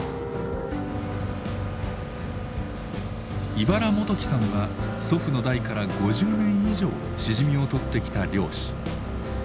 井原志樹さんは祖父の代から５０年以上しじみをとってきた漁師。